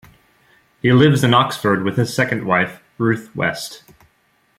He lives in Oxford with his second wife, Ruth West.